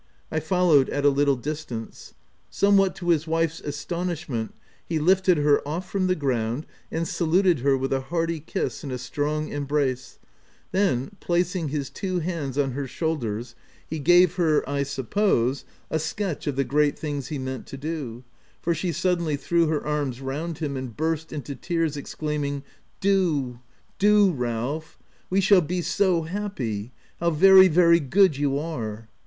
I followed at a little distance. Somewhat to his wife's astonishment, he lifted her off from the ground and saluted her with a hearty kiss and a strong embrace ; then, placing his two hands on her shoulders, he gave her, I suppose, a sketch of the great things he meant to do, for she suddenly threw her arms round him and burst into tears, exclaiming, — IC Do, do, Ralph — we shall be so happy ! How very, very good you are